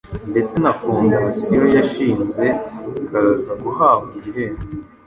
ndetse na 'Fondasiyo yashinze ikaza guhabwa igihembo